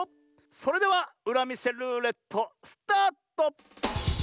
それではうらみせルーレットスタート！